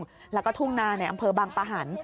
บางกุ้งแล้วก็ทุ่งนาอำเภอบางประหันธ์